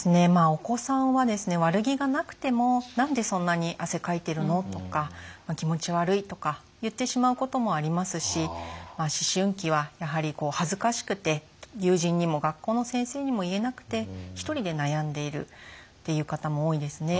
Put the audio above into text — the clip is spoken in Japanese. お子さんは悪気がなくても「何でそんなに汗かいてるの？」とか「気持ち悪い」とか言ってしまうこともありますし思春期はやはり恥ずかしくて友人にも学校の先生にも言えなくて一人で悩んでいるという方も多いですね。